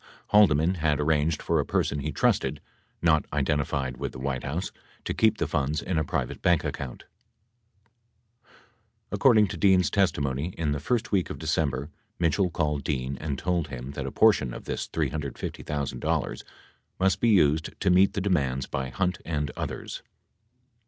Haldeman had arranged for a person he trusted, not identified with the White House, to keep the funds in a private bank account. 4 According to Dean's testimony: In the first week of December, Mitchell called Dean and told him that a portion of this $350,000 must be used to meet the demands by Hunt and others.